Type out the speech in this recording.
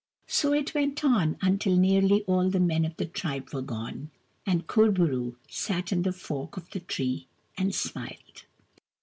So it went on until nearly all the men of the tribe were gone : and Kur bo roo sat in the fork of the tree and smiled.